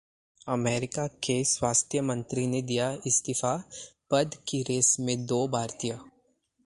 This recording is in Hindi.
अमेरिका के स्वास्थ्य मंत्री ने दिया इस्तीफा, पद की रेस में दो भारतीय